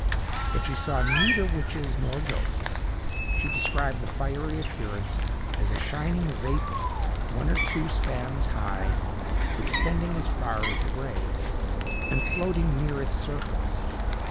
But she saw neither witches nor ghosts; she described the fiery appearances as a shining vapor, one to two spans high, extending as far as the grave, and floating near its surface.